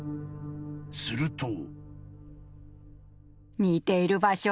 ［すると］